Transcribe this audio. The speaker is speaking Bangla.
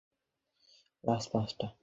কোথায় পাবে বলে দিচ্ছি।